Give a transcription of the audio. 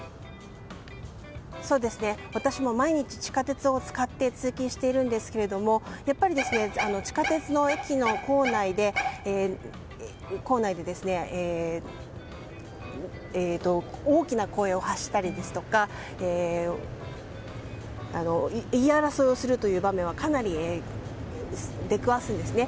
私も毎日、地下鉄を使って通勤しているんですが地下鉄の駅の構内で大きな声を発したりですとか言い争いをする場面にかなり出くわすんですね。